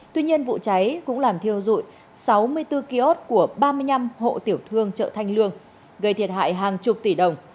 tuy nhiên vụ cháy cũng làm thiêu dụi sáu mươi bốn kiosk của ba mươi năm hộ tiểu thương chợ thanh lương gây thiệt hại hàng chục tỷ đồng